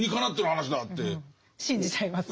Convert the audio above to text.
信じちゃいますね。